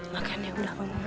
makan ya udah bang mamat